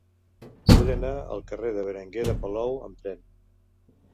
Vull anar al carrer de Berenguer de Palou amb tren.